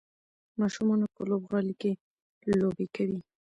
ماشومان په لوبغالي کې لوبې کوي.